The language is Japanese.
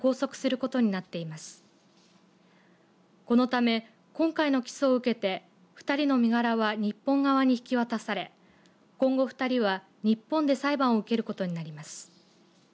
このため今回の起訴を受けて２人の身柄は日本側に引き渡され今後２人は、日本で裁判を受けることになります。